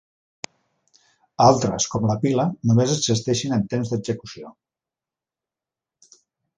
Altres, com la pila, només existeixen en temps d'execució.